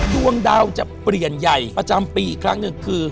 ดวงดาวจะเปลี่ยนใหญ่ประจำปีอีกครั้งหนึ่งคือ